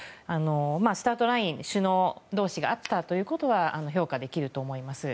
スタートライン首脳同士が会ったということは評価できると思います。